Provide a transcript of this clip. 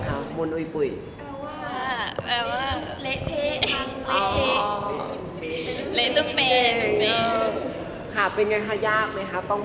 อยากรู้คำว่าอย่างนี้ก่อน